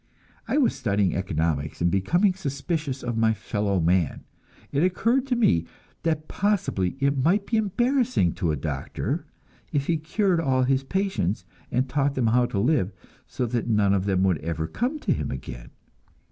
I was studying economics, and becoming suspicious of my fellow man; it occurred to me that possibly it might be embarrassing to a doctor, if he cured all his patients, and taught them how to live, so that none of them would ever have to come to him again.